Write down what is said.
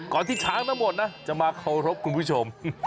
ที่ช้างทั้งหมดนะจะมาเคารพคุณผู้ชม